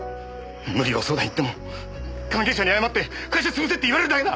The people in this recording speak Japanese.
無料相談行っても関係者に謝って会社潰せって言われるだけだ！